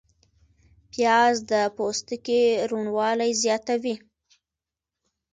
پیاز د پوستکي روڼوالی زیاتوي